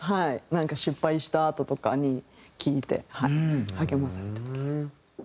なんか失敗したあととかに聴いて励まされてます。